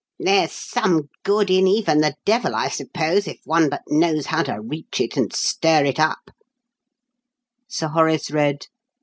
"There's some good in even the devil, I suppose, if one but knows how to reach it and stir it up," Sir Horace read.